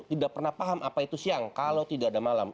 tidak pernah paham apa itu siang kalau tidak ada malam